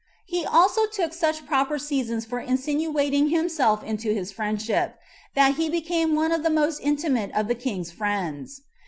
He also took such proper seasons for insinuating himself into his friendship, that he became one of the most intimate of the king's friends.